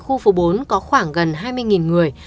khu phố bốn có khoảng gần hai mươi người